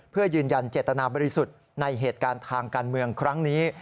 เพื่อยืนยันเจตนาบริสุทธิ์ในเหตุการณ์ทางการเมืองครั้งนี้